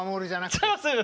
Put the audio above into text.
違います！